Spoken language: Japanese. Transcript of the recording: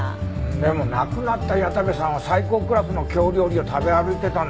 でも亡くなった矢田部さんは最高クラスの京料理を食べ歩いてたんだよね？